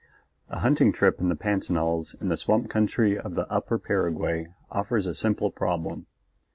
A hunting trip in the pantanals, in the swamp country of the upper Paraguay, offers a simple problem.